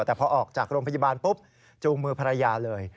แต่พอออกจากโรงพยาบาลปุ๊บจูงมือภรรยาเลย